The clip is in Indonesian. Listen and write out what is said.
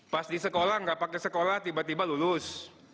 pas di sekolah gak pake sekolah tiba tiba lulus